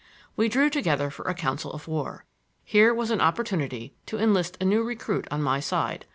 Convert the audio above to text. We drew together for a council of war. Here was an opportunity to enlist a new recruit on my side.